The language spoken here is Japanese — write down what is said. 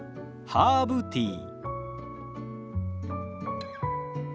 ハーブティー。